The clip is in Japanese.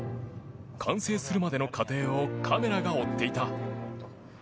完成するまでの過程をカメラが追っていた。